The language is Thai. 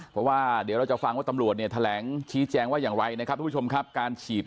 เพราะว่าเดี๋ยวเราจะฟังว่าตำรวจเนี่ยแถลงชี้แจงว่าอย่างไรนะครับทุกผู้ชมครับการฉีด